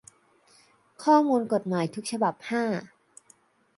ข้อมูลกฎหมายทุกฉบับ ห้า